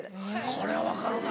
これは分かるな。